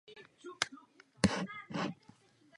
Thomas je zase přeřazen na práci na jatka.